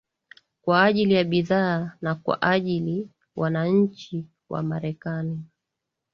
kwa ajili ya bidhaa na kwajili wananchi wa marekani